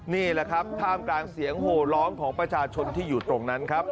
นี่แหละครับท่ามกลางเสียงโหร้องของประชาชนที่อยู่ตรงนั้นครับ